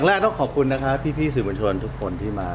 ตื่นเต้นกว่าหนึ่งหภาพเรื่องเช้า